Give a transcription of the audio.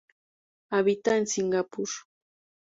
Habita en Singapur.